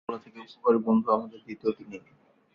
নিঃসন্দেহে গাছপালা থেকে উপকারী বন্ধু আমাদের দ্বিতীয়টি নেই।